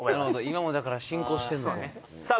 ・今もだから進行してるそうねさあ